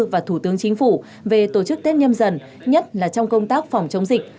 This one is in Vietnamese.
và thủ tướng chính phủ về tổ chức tết nhâm dần nhất là trong công tác phòng chống dịch